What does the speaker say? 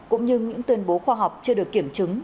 cũng như những tuyên bố khoa học chưa được kiểm chứng